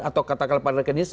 atau katakanlah para rekening